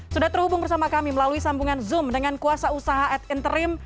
sudah terhubung bersama kami melalui sambungan zoom dengan kuasa usaha ad interim